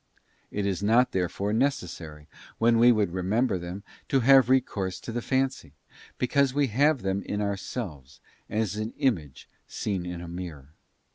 It is not therefore necessary when we would remember them to have recourse to the fancy, because we have them in ourselves, as an image seen in a mirror.